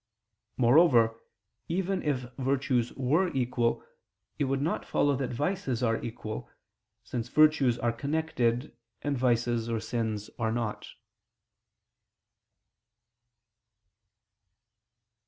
Moreover, even if virtues were equal, it would not follow that vices are equal, since virtues are connected, and vices or sins are not.